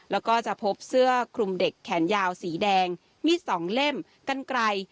แล้วก็จะพบเสื้อคลุมเด็กแขนยาวสีแดงมีดสองเล่มกันไกล